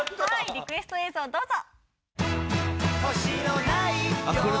リクエスト映像どうぞ。